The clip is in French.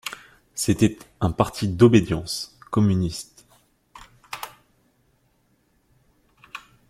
C'était un parti d'obédience communiste.